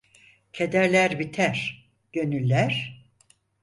Kederler biter, gönüller?